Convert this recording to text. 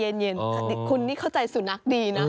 เย็นคุณนี่เข้าใจสุนัขดีนะ